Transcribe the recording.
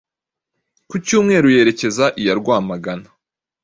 ku cyumweru yerekeza iya Rwamagana